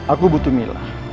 aku butuh mila